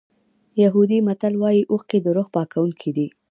یهودي متل وایي اوښکې د روح پاکوونکي دي.